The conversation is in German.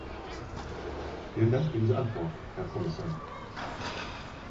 Vielen Dank für diese Antwort, Herr Kommissar.